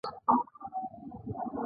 محمود کاکا دې خدای وبښي